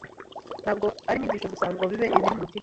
Ntabwo ari inyigisho gusa, ngo bibe ibiri mu mutima